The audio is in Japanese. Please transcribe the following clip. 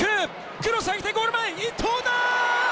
クロス入って、ゴール前、伊東だ！